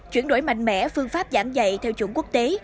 chuyển đổi mạnh mẽ phương pháp giảng dạy theo chuẩn quốc tế